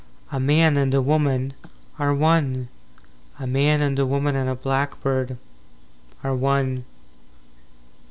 IV A man and a woman Are one. A man and a woman and a blackbird Are one.